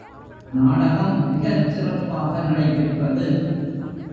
நாடகம் மிகச் சிறப்பாக நடைபெற்றது.